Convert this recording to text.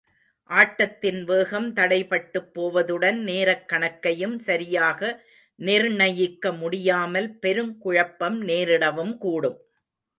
ஆட்டத்தின் வேகம் தடைபட்டுப் போவதுடன், நேரக் கணக்கையும் சரியாக நிர்ணயிக்க முடியாமல் பெருங்குழப்பம் நேரிடவும் கூடும்.